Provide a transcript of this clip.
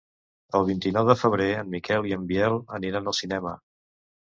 El vint-i-nou de febrer en Miquel i en Biel aniran al cinema.